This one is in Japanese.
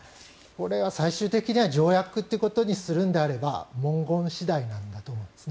これは最終的には条約ということにするのであれば文言次第なんだと思うんです。